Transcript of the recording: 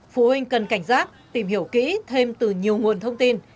phụ huynh cần cảnh giác tìm hiểu kỹ thêm từ nhiều nguồn thông tin